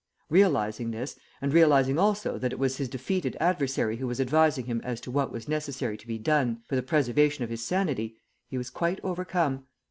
Realizing this, and realizing also that it was his defeated adversary who was advising him as to what was necessary to be done for the preservation of his sanity, he was quite overcome.